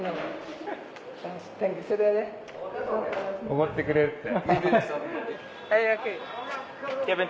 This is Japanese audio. おごってくれるって。